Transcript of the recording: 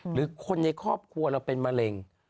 หรือคนในครอบครัวเราเป็นมะเร็ง